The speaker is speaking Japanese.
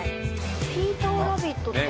ピーターラビットって。